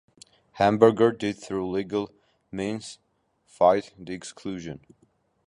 Hamburger did through legal means fight the exclusion.